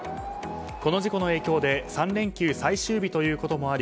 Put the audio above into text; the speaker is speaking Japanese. この事故の影響で３連休最終日ということもあり